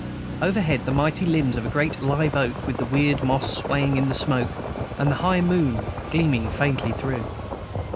Overhead, the mighty limbs of a great live oak, with the weird moss swaying in the smoke, and the high moon gleaming faintly through.